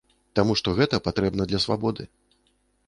Таму што гэта патрэбна для свабоды.